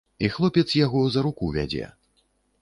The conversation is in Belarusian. І хлопец яго за руку вядзе.